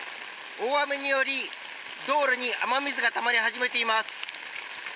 大雨により道路に雨水がたまり始めています。